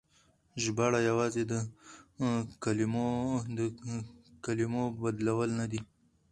ژباړه يوازې د کلمو بدلول نه دي.